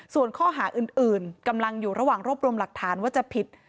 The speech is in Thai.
ส่วนข้อหาอื่นกำลังอยู่ระหว่างรวบรวมหลักฐานว่าจะผิด